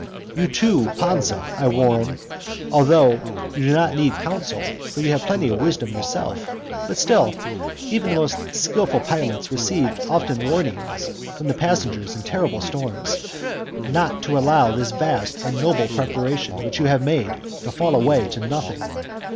You too, Pansa, I warn, (although you do not need counsel, for you have plenty of wisdom yourself: but still, even the most skilful pilots receive often warnings from the passengers in terrible storms,) not to allow this vast and noble preparation which you have made to fall away to nothing.